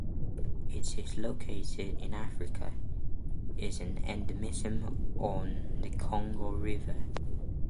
It is located in Africa, is an endemism od the Congo River.